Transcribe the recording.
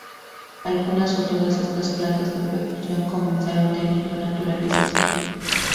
Algunas o todas estas plantas de producción comenzaron teniendo naturaleza civil.